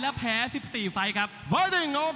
และนี่คือรายละเอียดที่ให้กับวินฟอร์ตี้ลูซิสและ๓โทร